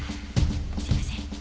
すいません。